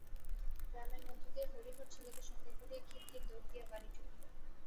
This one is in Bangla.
গ্রামের মধ্যে দিয়া হরিহর ছেলেকে সঙ্গে করিয়া খিড়কির দোর দিয়া বাড়ি ঢুকিল।